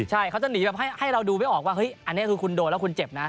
ใช่เขาจะหนีแบบให้เราดูไม่ออกว่าเฮ้ยอันนี้คือคุณโดนแล้วคุณเจ็บนะ